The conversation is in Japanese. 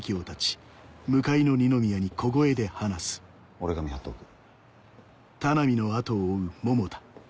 俺が見張っておく。